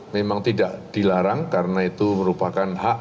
memang tidak dilarang karena itu merupakan hak